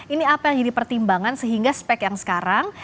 ini apa yang jadi pertimbangan sehingga spek yang sekarang